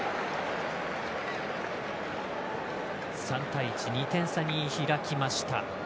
３対１２点差に開きました。